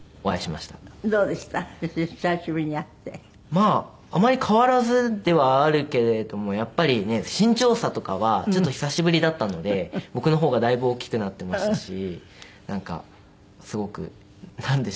まああまり変わらずではあるけれどもやっぱりね身長差とかはちょっと久しぶりだったので僕の方がだいぶ大きくなっていましたしなんかすごくなんでしょう。